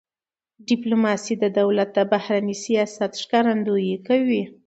ډيپلوماسي د دولت د بهرني سیاست ښکارندویي کوي.